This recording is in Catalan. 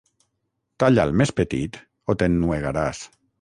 Talla'l més petit o t'ennuegaràs.